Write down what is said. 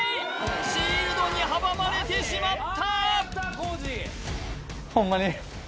シールドに阻まれてしまった！